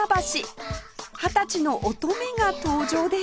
二十歳の乙女が登場です